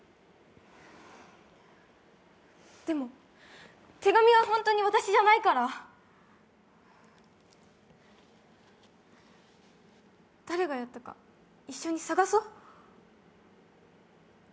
でも、手紙は本当に私じゃないから誰がやったか一緒に探そ。